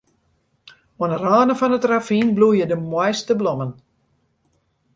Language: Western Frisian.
Oan 'e râne fan it ravyn bloeie de moaiste blommen.